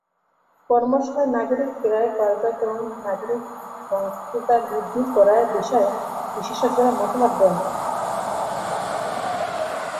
কর্মশালায় সরকারি ক্রয় কার্যক্রমে নাগরিক সম্পৃক্ততা বৃদ্ধি করার বিষয়ে বিশেষজ্ঞরা মতামত দেন।